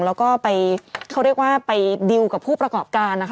แล้วก็ไปเขาเรียกว่าไปดิวกับผู้ประกอบการนะคะ